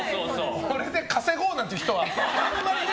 これで稼ごうなんて人はあんまりね。